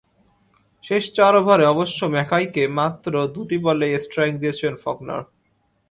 শেষ চার ওভারে অবশ্য ম্যাকাইকে মাত্র দুটি বলেই স্ট্রাইক দিয়েছেন ফকনার।